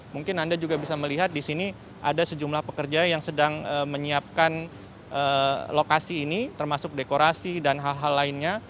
mungkin anda juga bisa melihat di sini ada sejumlah pekerja yang sedang menyiapkan lokasi ini termasuk dekorasi dan hal hal lainnya